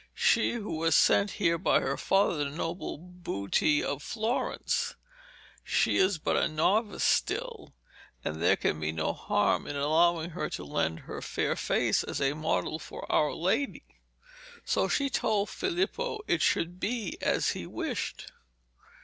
'She who was sent here by her father, the noble Buti of Florence. She is but a novice still, and there can be no harm in allowing her to lend her fair face as a model for Our Lady.' So she told Filippo it should be as he wished.